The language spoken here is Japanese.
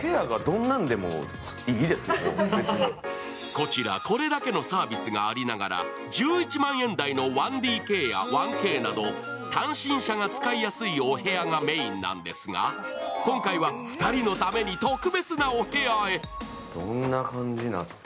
こちら、これだけのサービスがありながら１１万円台の１ＤＫや１ＬＤＫが単身者が使いやすいお部屋がメインなんですが、今回は、２人のために特別なお部屋へ。